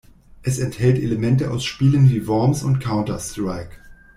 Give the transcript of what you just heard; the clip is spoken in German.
Es enthält Elemente aus Spielen wie "Worms" und "Counter-Strike".